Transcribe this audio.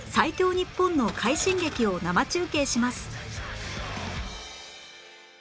日本の快進撃を生中継します